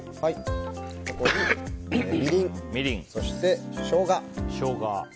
ここに、みりん、そしてショウガ。